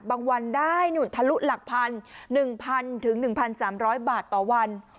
บางวันได้ทะลุหลักพันธุ์หนึ่งพันถึงหนึ่งพันสามร้อยบาทต่อวัน